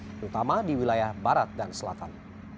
terutama di wilayah barat dan selatan